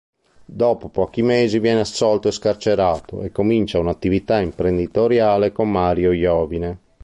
Dopo pochi mesi viene assolto e scarcerato e comincia un'attività imprenditoriale con Mario Iovine.